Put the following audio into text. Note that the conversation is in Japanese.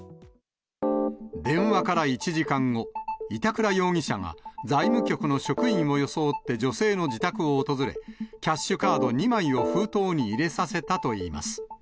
電話から１時間後、板倉容疑者が財務局の職員を装って女性の自宅を訪れ、キャッシュカード２枚を封筒に入れさせたといいます。